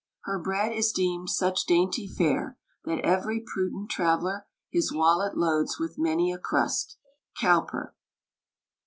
Her bread is deemed such dainty fare, That ev'ry prudent traveller His wallet loads with many a crust. COWPER.